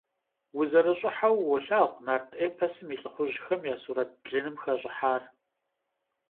УзэрыщӀыхьэу уолъагъу нарт эпосым и лӀыхъужьхэм я сурэт блыным хэщӀыхьар.